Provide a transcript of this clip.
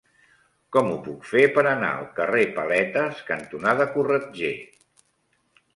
Com ho puc fer per anar al carrer Paletes cantonada Corretger?